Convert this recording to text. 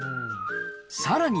さらに。